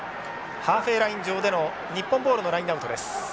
ハーフウェイライン上での日本ボールのラインアウトです。